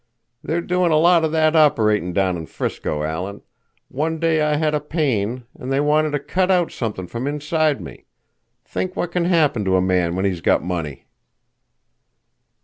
They're doing a lot of that operatin' down in Frisco, Alan. One day I had a pain, and they wanted to cut out something from inside me. Think what can happen to a man when he's got money!"